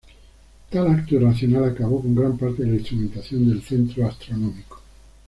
Tal acto irracional acabó con gran parte de la instrumentación del centro astronómico.